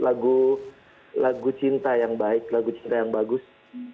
lagu cinta yang baik lagu cinta yang bagus